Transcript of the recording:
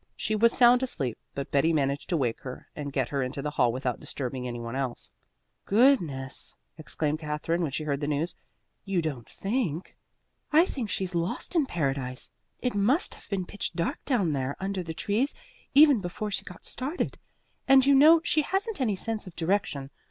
She was sound asleep, but Betty managed to wake her and get her into the hall without disturbing any one else. "Goodness!" exclaimed Katherine, when she heard the news. "You don't think " "I think she's lost in Paradise. It must have been pitch dark down there under the trees even before she got started, and you know she hasn't any sense of direction.